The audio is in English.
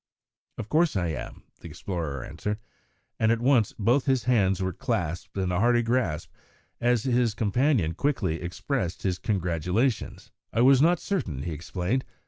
"Of course I am," the explorer answered, and at once both his hands were clasped in a hearty grasp as his companion quickly expressed his congratulations. "I was not certain," he explained.